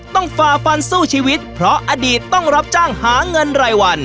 ฝ่าฟันสู้ชีวิตเพราะอดีตต้องรับจ้างหาเงินรายวัน